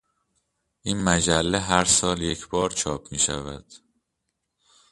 این مجله هر سال یک بار چاپ میشود.